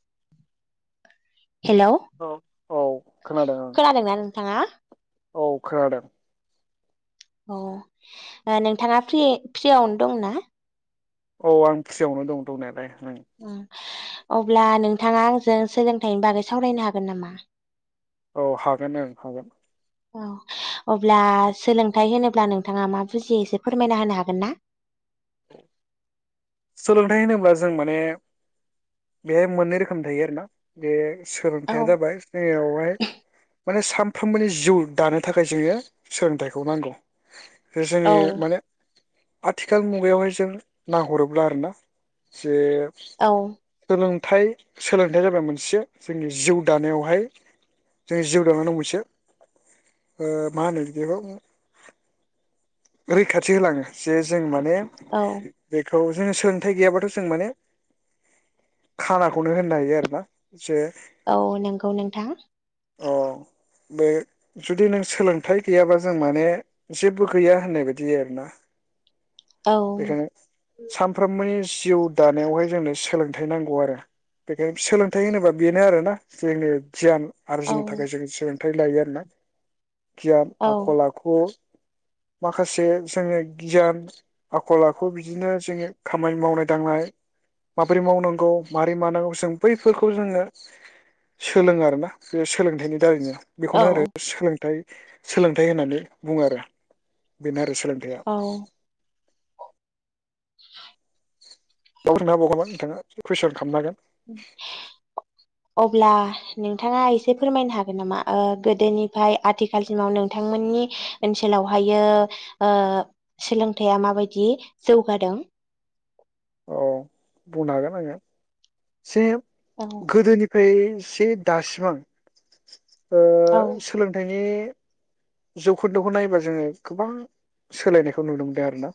[inaudible] औ औ खोनादों ओं खोनादोंना नोंथाङा औ खोनादों औ ओ नोंथाङा फ्रि-फ्रियावनो दं ना? औ आं फ्रियावनो दं दंनायालाय ओं [unintelligible] अब्ला नोंथाङा आंजों सोलोंथाइनि बागै सावरायनो हागोन नामा? औ हागोन ओं हागोन औ अब्ला सोलोंथाइ होनोब्ला नोंथाङा मा बुजियो एसे फोरमायना होनो हागोन ना? सोलोंथाइ होनोब्ला जों माने बे मोननै रोखोमनि थायो आरोना बे औ सोलोंथाइया जाबाय जोंनियावहाय माने सानफ्रोमबोनि जिउ दानो थाखाय जोंङो सोलोंथाइखौ नांगौ औ जोंनि माने आथिखाल मुगायावहाय जों नाहरोब्ला अब्ला आरो ना जे औ सोलों सोलोंथाइ जाबाय मोनसे जोंनि जिउ दानायावहाय जोंनि जिउ दानायाव मोनसे ओ मा होनो बिखौ रैखाथि होलाङो जे जों माने औ बे [unintelligible] औ जोंङो सोलोंथाइ गैयाबाथ' जों माने खानाखौनो होननो हायो आरोना जे औ नंगौ नोंथां अ बे जुदि नों सोलोंथाइ गैयाबा जों माने जेबो गैया थनायबादि जाया आरो ना औ बेखायनो सानफ्रोमबोनि जिउ दानायावहाय जोंनो सोलोंथाइ नांगौ आरो बेखायनो सोलोंथाइ होनोबा बेनो आरोना जोंनि गियान आरो औ जोंनि थाखाय [unintelligible] निफ्राय लायो आरो ना गियान औ आखल आखु माखासे जोंनि गियान आखल आखु बिदिनो जोंनि खामानि मावनाय दांनाय माबोरै मावनांगौ मारै मानांगौ जों बैफोरखौ जोङो सोलोङो आरो ना बे सोलोंथाइनि दारैनो बेखौनो होनो औ सोलोंथाइ सोलोंथाइ होननानै बुङो आरो बेनो आरो सोलोंथाइया औ [inaudible] दावों हाबबावगामा नोंथाङा [unintelligible] कुइसन खालामनो हागोन अब्ला नोंथाङा एसे फोरमायनो हागोन नामा ओ गोदोनिफाय आथिखालसिमाव नोंथांमोननि ओनसोलावहायो ओ सोलोंथाइया माबायदि जौगादों औ बुंनो हागोन आङो सेम औ गोदोनिफ्राय से दासिम आं ओ औ सोलोंथाइनि जौखोन्दोखौ नायोबा जोङो गोबां सोलायनायखौ नुनो मोनदों आरोना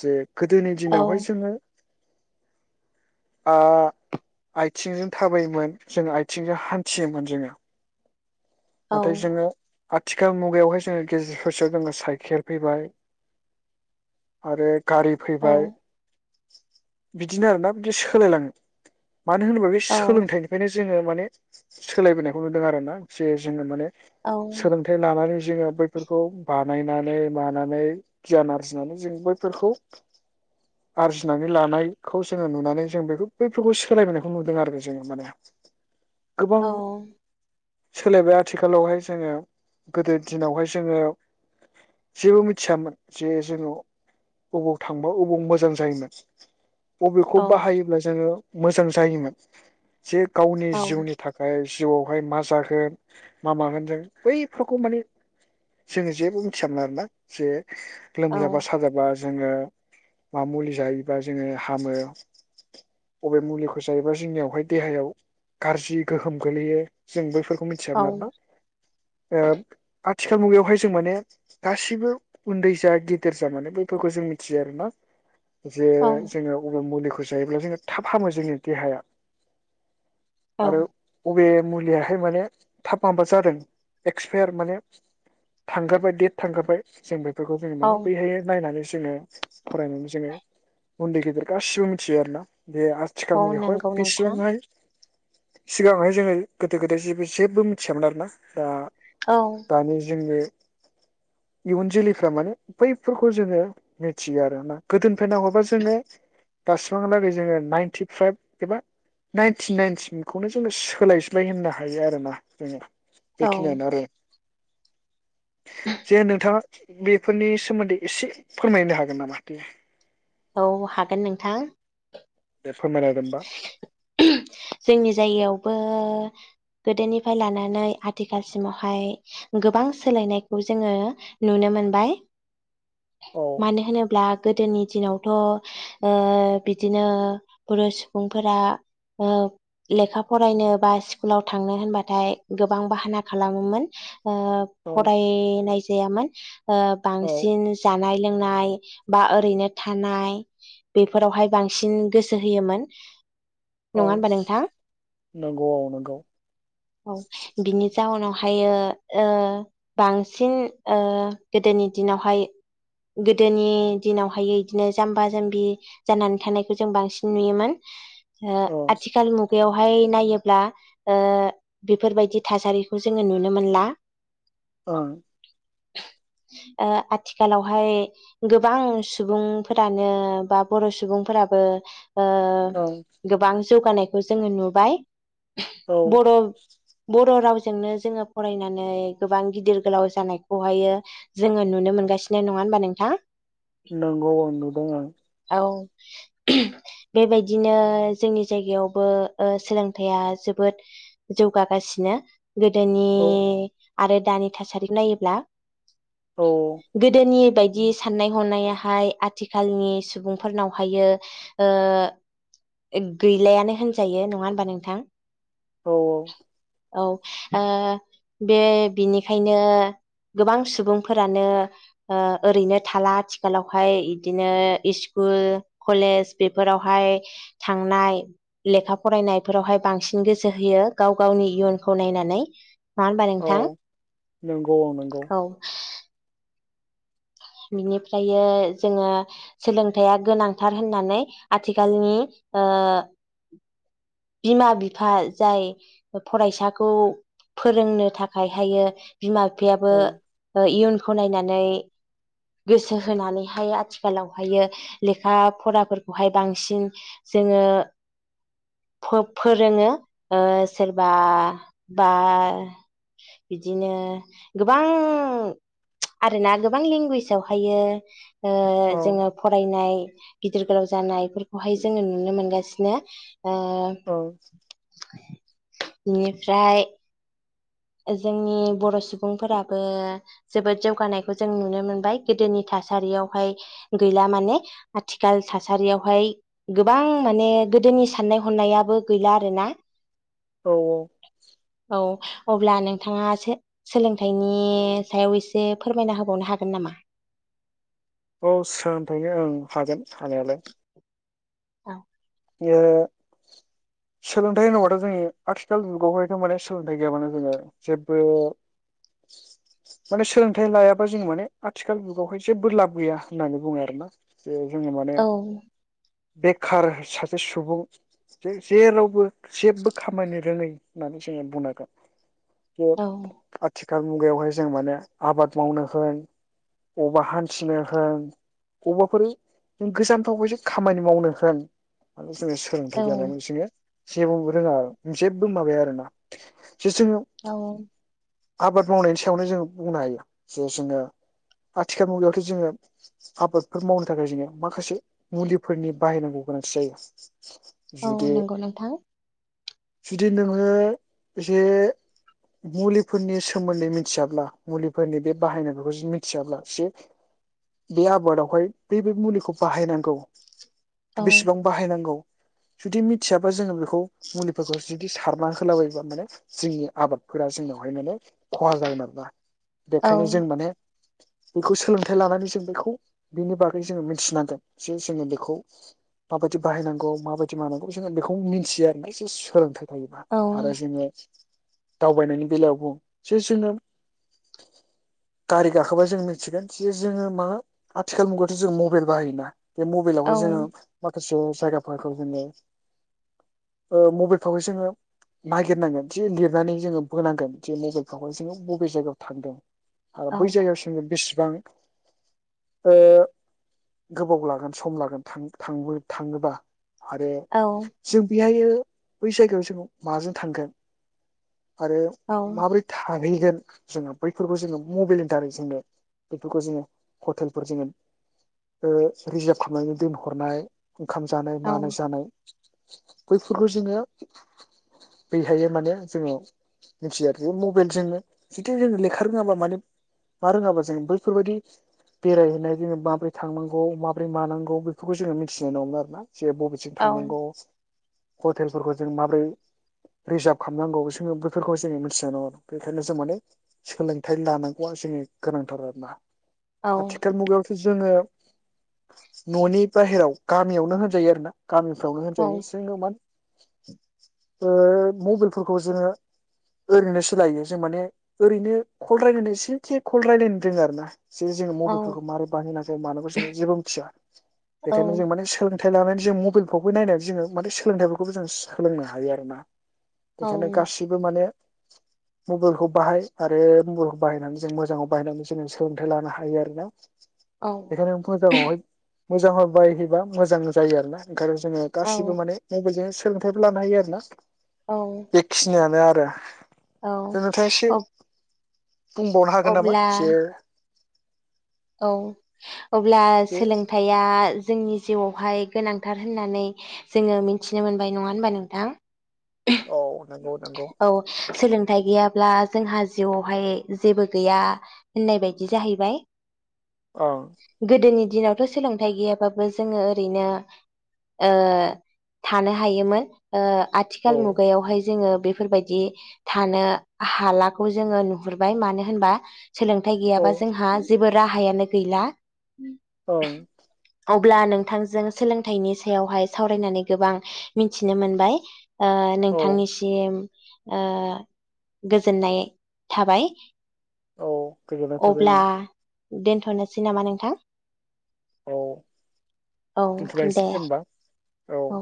जे गोदोनि औ दिनावहाय जोङो आआथिंजों थाबायोमोन जों आथिंजों हान्थियोमोन जोङो औ नाथाय जोंङो आथिखाल मुगायावहाय जोंनि गेजेरफोरसो जोङो साइकेल फैबाय आरो गारि औ फैबाय बिदिनो आरोना बिदि सोलायलाङो मानो होनोबा बे औ सोलोंथाइनिफ्रायनो जोङो माने सोलायबोनायखौ नुदों आरो ना जे जोङो माने सोलोंथाइ लानानै जोंङो बैफोरखौ बानायनानै मानानै गियान आरजिनानै जों बैफोरखौ आरजिनानै लानायखौ जोङो नुनानै जों बे बैफोरखौ सोलायबोनायखौ नुदों आरो जोङो माने गोबां औ सोलायबाय आथिखालावहाय जोङो गोदो दिनावहाय जोङो जेबो मिथियामोन जे जोङो अबावयाव थांबा अबावयाव मोजां जायोमोन बबेखौ बाहायोब्ला जोङो मोजां जायोमोन जे गावनि जिउनि थाखाय जिउआवहाय मा जागोन मा मागोन जों बैफोरखौ माने जोङो जेबो मिथियामोन आरोना जे औ लोमजाबा साजाबा जोङो मा मुलि जायोबा जोङो हामो बबे मुलिखौ जायोबा जोंनियावहाय देहायाव गाज्रि गोहोम गो्लैयो जों बैफोरखौ मोन्थिआरोमोनदां ओ आथिखाल मुगायावहाय जों माने गासिबो उन्दै जा गेदेर जा माने बैफोरखौ जों मिथियो आरो ना। जे औ जोङो अबे मुलि बजायोब्ला जोङो थाब हामो जोनि देहाया औ आरो अबे मुलियाहाय माने थाब माबा जादों एक्सपायार माने थांगखाबाय देट थांखाबाय जोंबो जोङो औ माने बैहाय नायनानै जोङो फरायनानै जोङो उन्दै गेदेर गासिबो मिथियो आरो ना। बे औ आथिखाल मुगायावहाय नंगौ नोंथां बेसेबांहाय सिगांहाय जोङो गोदो गोदाय जेबो जेबो मिथियामोन आरोना दा औ दानि जोंनि इयुन जोलैफ्रा माने बैफोरखौ जोङो मिथियो आरोना गोदोनिफ्राय नाहरबा जोङो दासिमांहालागै जोङो नाइनटि फाइभ एबा नाइनटि नाइनटिखौनो जोङो सोलायजबाय होननो हायो आरो ना जोङो। औ बेखिनियानो आरो जे नोंथाङा बेफोरनि सोमोन्दै एसे फोरमायनो हागोन नामा? औ हागोन नोंथां। दे फोरमायना होदोमबा जोंनि जायगायावबो ओ गोदोनिफ्राय लानानै आथिखालसिमावहाय गोबां सोलायनायखौ जोङो नुनो मोनबाय। औ मानो होनोब्ला गोदोनि। दिनावथ ओ बिदिनो पुरुस सुबुंफोरा ओ लेखा फरायनो बा स्कुलाव थांनो होनबाथाय गोबां बाहाना खालामोमोन ओ ओं फरायनाय जायामोन [unintelligible] ओ औ बांसिन जानाय लोंनाय बा ओरैनो थानाय बेफोरावहाय बांसिन गोसो होयोमोन। [unintelligible] नङा ओं होमबा नोंथां नंगौ औ नंगौ औ बिनि जाउनाव हायो ओ बांसिन ओ गोदोनि दिनावहाय गोदोनि दिनावहाय बिदिनो जाम्बा जाम्बि जानानै थानायखौ जों बांसिन नुयोमोन। ओ औ आथिखाल मुगायाव। बेहाय नायोब्ला ओ बेफोरबायदि थासारिखौ जोङो नुनो मोनला औ ओ आथिखालावहाय गोबां सुबुंफोरानो बा बर सुबुंफोराबो ओ औ गोबां जौगानायखौ जोङो नुबाय। औ बर बर राव जोंनो जोङो फरायनानै गोबां गिदिर गोलाव जानायखौहायो जोङो नुनो मोनगासिनो नङा होमबा नोंथां? नांगौ औ नंगौ नुदों आं बेबायदि बिदिनो जोंनि जायगायावबो ओ सोलोंथाइया जोबोद जौगागासिनो गोदोनि औ आरो दानि थासारि नायोब्ला औ गोदोनि बायदि साननाय हनायाहाय आथिखालनि सुबुंफोरनावहायो ओ गैलायानो होनजायो नङा होनबा नोंथां? औ औ औ ओ बे बिनिखायनो गोबां सुबुंफोरानो ओ ओरैनो थाला आथिखालावहाय बिदिनो स्कुल कलेज बेफोरावहाय थांनाय लेखा फरायनायफोरावहाय बांसिन गोसो होयो गाव गावनि इयुनखौ नायनानै नङा होमबा औ नोंथां? नंगौ नंगौ औ बिनिफ्रायो जोङो सोलोंथाइया गोनांथार होननानै आथिखालनि ओ बिमा बिफा जाय फरायसाखौ फोरोंनो थाखाय हायो बिमा बिफायाबो ओं इयुन खौ नायनानै गोसो होनानैहाय आथिखालावहायो लेखा फराफोरखौहाय बांसिन जोङो फ फोरोङो सोरबा बा बिदिनो गोबां आरोना गोबां लेंगुवेजावहायो ओ ओं जोङो फरायनाय गिदिर गोलाव जानायफोरखौहाय जोङो नुनो मोनगासिनो औ बोनिफ्राय जोंनि बर' सुबुंफोराबो जोबोद जौगानायखौ जों नुनो मोनबाय गोदोनि थासारियावहाय गैला माने आथिखाल थासारियावहाय गोबां माने गोदोनि साननाय हनायाबो गैला आरोना। औ औ औ अब्ला नोंथाङा सो--सोलोंथाइनि सायाव एसे फोरमायना होबावनो हागोन नामा? औ सोंथायो ओं हागोन हानायालाय औ ओ सोलोंथाइ होनोबाथ' जोंनि आथिखाल जुगावहायथ' माने सोलोंथाइ गैयाबानो जोङो जेबबो माने सोलोंथाइ लायाबा जों माने आथिखाल जुगावहाय जेबबो लाब गैया होननानै बुङो आरोना जोङो माने औ बेखार सा से सुबुं जे जेरावबो जेबबो खामानि रोङै नानसै बुंनांगोन यो आथि गाल मुगायावहाय जों माने आबाद मावनो होन अबा हान्थिनो होन अबेबाफोरों गोजानफोराव ऐस खामानि मावनो होन ओ [unintelligible] जोङो सोलोंथाइ औ गैया लाबासिनो जेबबो रोङा, जेबबो माबाया आरो ना। जेसेनो औ आबाद मावनायनि सायावनो जोङो बुंनो हायो जे जोङो आथिखाल मुगायावथ' जोङो आबादफोर मावनो थाखाय जोङो माखासे मुलिफोर बाहायनांगौ गोनांथि जायो। औ जुदि नंगौ नोंथां। जुदि नोङो जे मुलिफोरनि सोमोन्दै मिथियाब्ला, मुलिफोरनि बे बाहायनायफोरखौ जुदि मिथियाब्ला जे बे आबादावहाय बै बे मुलिखौ बाहायनांगौ औ बेसेबां बाहायनांगौ जुदि मिथियाबा जोङो बेखौ मुलिफोरखौ जुदि सारना होलाबायबा माने जोंनि आबादफोरा जोंनावहाय माने खहा जागोन आरोना। औ बेखायनो जों माने बेखौ सोलोंथाइ लानानै जों बेखौ बेनि बागै जोङो मिथिनांगोन। जे जोङो बेखौ माबायदि बाहायनांगौ माबायदि माबानांगौ जोंङो बेखौ मिनथियो आरो जे सोलोंथाइ फोयबा औ आरो जोङो दावबायनायनि बेलायाव बुङो, जे जोङो गारि गाखोबा जों मिथिगोन जे जोङो मा आथिखाल मुगायावथ' जों मबाइल बाहायोना, बे औ मबाइलावहाय जोङो। माखासे जायगाफोरखौ जोङो ओ मबाइलफ्रावहाय जोङो नागिरनांगोन जे लिरनानै जोङो बोनांगोन जे मबाइलफ्रावहाय जोङो बबे जायगायाव थांदों। आरो औ बै जायगायाव सिमाव बेसे गोबां ओ गोबाव लागोन सम लागोन थां। थांनो थाङोबा। आरो जों बेहायो बै जायगायाव जों माजों थांगोन। आरो औ माबोरै थाहैगोन। जोङो बैफोरखौ जोङो मबाइलनि दारै जोङो बेफोरखौ जोङो हटेलफोर जोङो ओ रिजार्भ खालामनानै दोन हरनाय- ओंखाम औ जानाय-मानाय जानाय बैफोरखौ जोङो बैहाय माने जोङो मिथियो आरो। बे मबाइलजोंनो जुदि जों लेखा रोङाबा माने मा रोङाबा जों बैफोरबायाददि बेरायहैनाय जोङो माबोरै थांनांगौ माबोरै मानांगौ बेखौ जोङो मिथिनाय नङोमोन आरो ना। जे बबेथिं थांनांगौ हटेलफोरखौ जों माबोरै रिजार्भ खालामनांगौ जोङो बेफोरखौ जोङो मिथिनाय नङा। बेखायनो जों माने सोलोंथाइ लानांगौआ जोंनि गोनांथार आरो ना। औ आथिखालनि मुगायावथ' जोङो न'नि। बाहेराव गामियावनो होनजायो आरो ना गामिफ्रावनो होनजायो जोङो मने ओ मबाइलफोरखौ जोङो ओरैनोसो लायो। जों माने ओरैनो कल रायलायनो एसे कल रायज्लायनो रोङो आरो ना। जे जोङो औ मबाइलफोरखौ मारै बाहायनांगौ- मानोखौ जोङो जेबो मिथिया। बेखायनो औ जों माने सोलों सोलोंथाइ लानायानानै जों मबाइलफ्रावबो नायनानै जोङो माने सोलोंथाइफोरखौबो जों सोलोंनो हायो आरो ना। औ बेखायनो गासिबो माने। मबाइलखौ बाहाय आरो मबाइलखौ बाहायनानै जों मोजाङाव बाहायनानै जोङो सोलोंथायाइ लानो हायो आरोना। औ बेखायनो फरायथारनांगौ हाय। मोजां ह बायहैबा मोजां जायो आरो ना। ओंखायनो जोङो औ गासिबो माने माइजोंनो सो। सोलोंथाइबो लानो हायो आरोना। औ बेखिनियानो आरो। दा। औ नोंथाङा एसे औ बुंबावनो हागोन नामा अब्ला जे। औ। अब्ला बे सोलोंथाइया। जोंनि जिउआवहाय गोनांथार होननानै जोङो मिथिनो मोनबाय नङा होनबा नोंथां। औ। नंगौ नंगौ औ सोलों थाय गैयाब्ला जोंहा जिउआवहाय जेबो गैया होननाय बायदि जाहैबाय। ओं गोदोनि दिनावथ' सोलोंथाइ गैयाबाबो जोङो ओरैनो थानो हायोमोन। औ आथिखाल मुगायावहाय। जोङो। बेफोरबायदि थानो हालाखौ जोङो नुहुरबाय मानो होनबा। सोलोंथाइ औ गैयाबा जोंहा जेबो। राहायानो गैला। औ। अब्ला नोंथांजों सोलोंथाइनि सायावहाय सावरायनानै गोबां मिथिनो मोनबाय। ओ औ नोंथांनि सिम ओ गोजोननाय थाबाय। औ गोजोननाय थाबाय अब्ला आं। दोनथ'नोसै नामा नोंथां। औ औ दोनथ'लायनोसै दे होमबा औ।